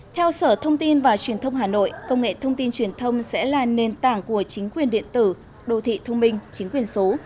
theo sở thông tin và truyền thông hà nội công nghệ thông tin truyền thông sẽ là nền tảng của chính quyền điện tử đô thị thông minh chính quyền số